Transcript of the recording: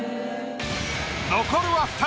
残るは二人。